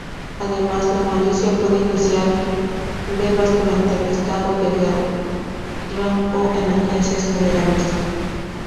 Además, la milicia puede iniciar levas durante el estado de guerra o emergencias generales.